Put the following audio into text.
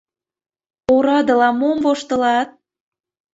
Орадыла мом воштылат?